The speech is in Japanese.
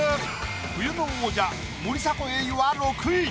冬の王者森迫永依は６位。